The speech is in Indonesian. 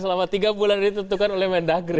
selama tiga bulan ditentukan oleh mendagri